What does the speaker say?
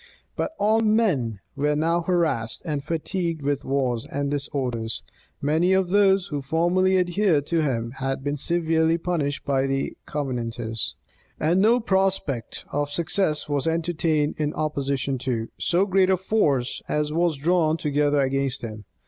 But all men were now harassed and fatigued with wars and disorders: many of those who formerly adhered to him, had been severely punished by the Covenanters: and no prospect of success was entertained in opposition to so great a force as was drawn together against him.